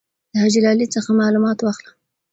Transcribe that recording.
د حاجي لالي څخه معلومات واخله.